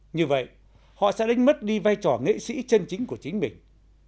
như vậy họ sẽ đánh mất đi vai trò nghệ sĩ chân chính của chính mình